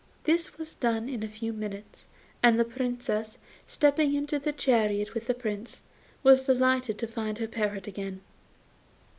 This was done in a few minutes, and the Princess, stepping into the chariot with the Prince, was delighted to find her parrot again.